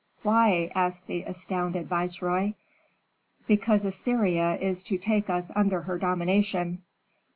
"Why?" asked the astounded viceroy. "Because Assyria is to take us under her dominion."